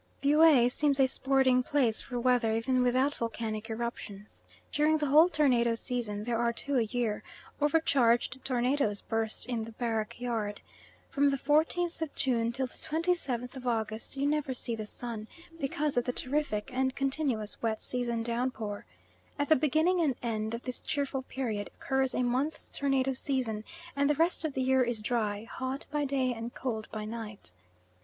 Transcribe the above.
Buea seems a sporting place for weather even without volcanic eruptions, during the whole tornado season (there are two a year), over charged tornadoes burst in the barrack yard. From the 14th of June till the 27th of August you never see the sun, because of the terrific and continuous wet season downpour. At the beginning and end of this cheerful period occurs a month's tornado season, and the rest of the year is dry, hot by day and cold by night.